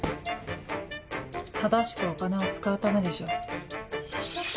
正しくお金を使うためでしょ。